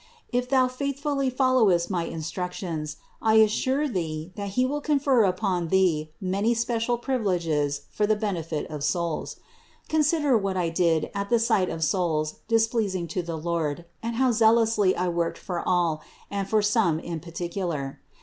If thou faithfully followest my instruc tions, I assure thee that He will confer upon thee many special privileges for the benefit of souls. Consider what I did at the sight of souls displeasing to the Lord, and how zealously I worked for all, and for some in par ticular.